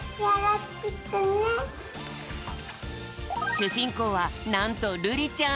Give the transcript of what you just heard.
しゅじんこうはなんとるりちゃん。